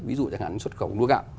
ví dụ chẳng hạn xuất khẩu nước gạo